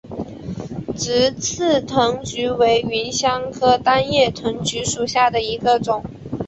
直刺藤橘为芸香科单叶藤橘属下的一个种。